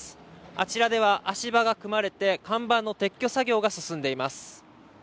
あちらでは足場が組まれて、看板の撤去作業が進められています。